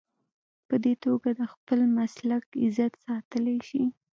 په دې توګه د خپل مسلک عزت ساتلی شي.